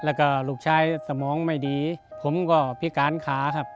แล้วก็ลูกชายสมองไม่ดีผมก็พิการขาครับ